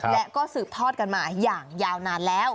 และก็สืบทอดกันมาอย่างยาวนานแล้ว